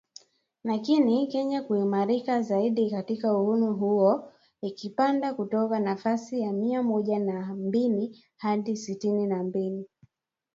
lakini Kenya kuimarika zaidi katika uhuru huo ikipanda kutoka nafasi ya mia moja na mbili hadi sitini na mbili